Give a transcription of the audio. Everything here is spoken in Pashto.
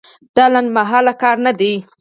دا لنډمهالی کار نه دی.